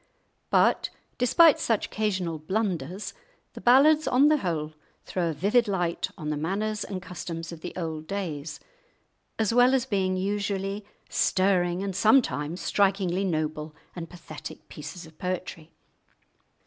But, despite such occasional blunders, the ballads on the whole throw a vivid light on the manners and customs of the old days, as well as being usually stirring and sometimes strikingly noble and pathetic pieces of poetry.